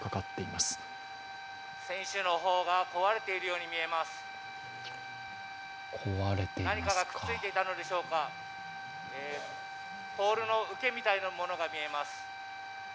何かがくっついていたのでしょうかポールの受けみたいなものが見えます。